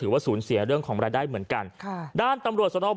และยืนยันเหมือนกันว่าจะดำเนินคดีอย่างถึงที่สุดนะครับ